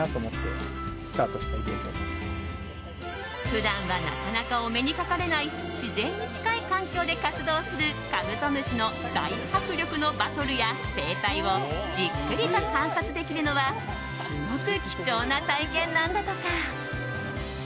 普段はなかなかお目にかかれない自然に近い環境で活動するカブトムシの大迫力のバトルや生態をじっくりと観察できるのはすごく貴重な体験なんだとか。